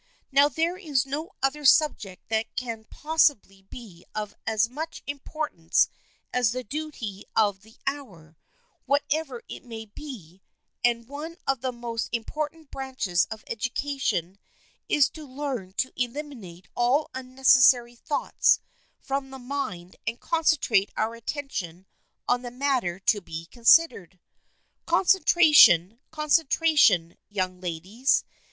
Now there is no other subject that can pos sibly be of as much importance as the duty of the hour, whatever it may be, and one of the most important branches of education is to learn to eliminate all unnecessary thoughts from the mind and concentrate our attention on the matter to be considered. Concentration — concentration, young ladies.